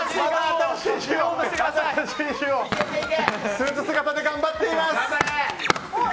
スーツ姿で頑張っています。